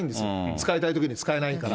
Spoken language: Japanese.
使いたいときに使えないから。